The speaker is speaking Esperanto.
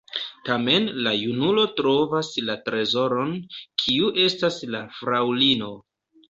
Tamen la junulo trovas la trezoron, kiu estas la fraŭlino.